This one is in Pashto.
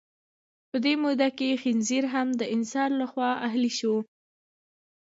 په دې موده کې خنزیر هم د انسان لخوا اهلي شو.